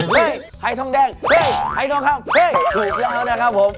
ไม่ไฮท่องแดงเฮ้ยไฮท่องเข้าเฮ้ยถูกแล้วนะครับผม